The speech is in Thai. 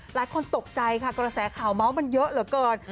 หลายคนตกใจค่ะกระแสข่าวเมาส์มันเยอะเหลือเกิน